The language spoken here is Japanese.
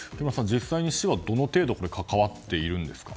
実際に市はどの程度関わっているんでしょうか。